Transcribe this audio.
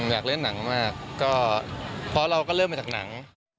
อยากเล่นหนังมากก็เพราะเราก็เริ่มมาจากหนัง